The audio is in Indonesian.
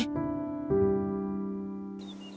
nah bagaimana kau